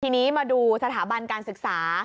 ทีนี้มาดูสถาบันการศึกษา